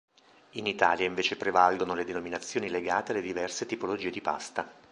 In Italia invece prevalgono le denominazioni legate alle diverse tipologie di pasta.